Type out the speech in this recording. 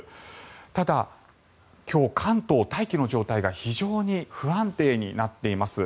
ただ、今日関東大気の状態が非常に不安定になっています。